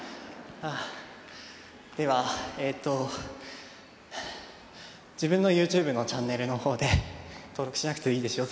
ではえーっと自分のＹｏｕＴｕｂｅのチャンネルの方で登録しなくていいですよ